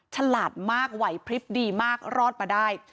ฉลาดมากไหวพลิบดีมากรอดมาได้